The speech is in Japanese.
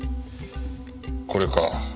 これか。